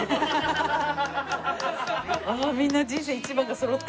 みんな「人生一番」がそろった。